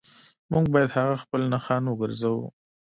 موږ باید هغه خپل نښان وګرځوو